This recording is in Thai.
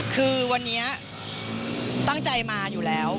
คือวันนี้ตั้งใจมาอยู่แล้ว